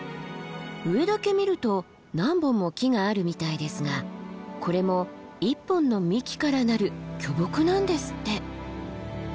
上だけ見ると何本も木があるみたいですがこれも１本の幹からなる巨木なんですって。